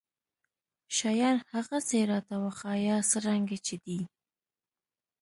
شيان هغسې راته وښايه څرنګه چې دي.